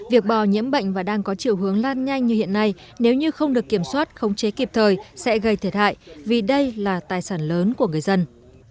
việc bò nhiễm bệnh và đang có chiều hướng lan nhanh như hiện nay nếu như không được kiểm soát khống chế kịp thời sẽ gây thiệt hại vì đây là tài sản lớn của người dân